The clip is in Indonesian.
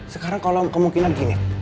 sekarang kalau kemungkinan gini